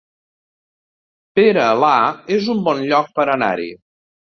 Pera, la es un bon lloc per anar-hi